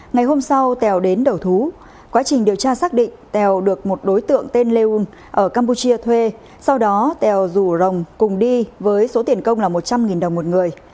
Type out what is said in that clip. ngày hôm sau tèo đến đầu thú quá trình điều tra xác định tèo được một đối tượng tên lêum ở campuchia thuê sau đó tèo dù rồng cùng đi với số tiền công là một trăm linh đồng một người